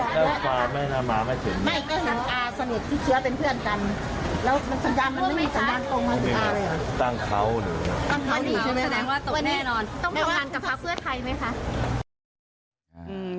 ตั้งเขาอยู่ใช่ไหมครับ